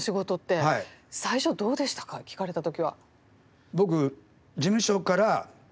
聞かれた時は。